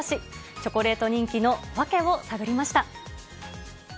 チョコレート人気の訳を探りました。